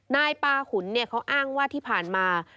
นายปาหุ่นเขาอ้างว่าที่ผ่านมา